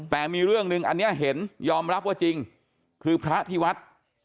แต่มีเรื่องหนึ่งอันนี้เห็นยอมรับว่าจริงคือพระที่วัด